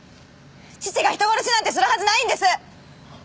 父が人殺しなんてするはずないんです！